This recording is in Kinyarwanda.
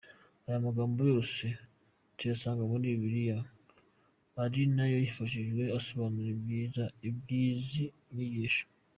Aya magambo yose tuyasanga muri Bibiliya year ari nayo yifashishije asobanura iby’izi nyigisho .